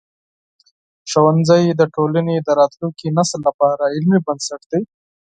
ښوونځی د ټولنې د راتلونکي نسل لپاره علمي بنسټ دی.